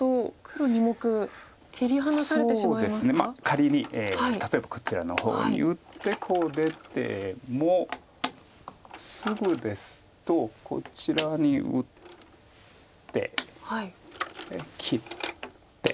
仮に例えばこちらの方に打ってこう出てもすぐですとこちらに打って切って。